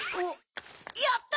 やった！